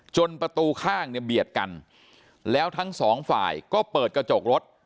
ประตูข้างเนี่ยเบียดกันแล้วทั้งสองฝ่ายก็เปิดกระจกรถ